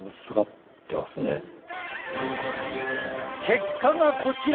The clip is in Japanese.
結果がこちら！